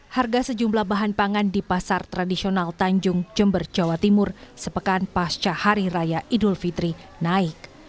harga sejumlah bahan pangan di pasar tradisional tanjung jember jawa timur sepekan pasca hari raya idul fitri naik